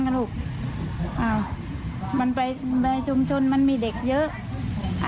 ในชุมชนมันมีเด็กเยอะ